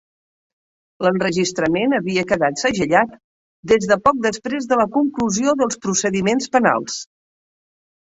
L'enregistrament havia quedat segellat des de poc després de la conclusió dels procediments penals.